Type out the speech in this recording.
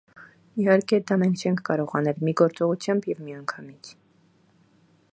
Իհարկե, դա մենք չենք կարող անել մի գործողությամբ և միանգամից։